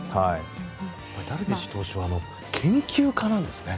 ダルビッシュ投手は研究家なんですね。